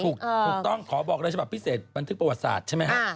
ถูกต้องขอบอกเลยฉบับพิเศษบันทึกประวัติศาสตร์ใช่ไหมครับ